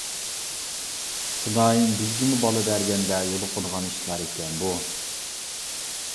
خۇدايىم بىزگىمۇ بالا بەرگەندە يولۇقىدىغان ئىشلار ئىكەن بۇ.